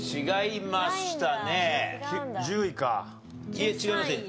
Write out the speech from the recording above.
いえ違いますね。